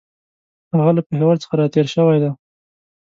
هغه له پېښور څخه را تېر شوی دی.